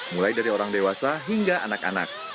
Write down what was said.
mulai dari orang dewasa hingga anak anak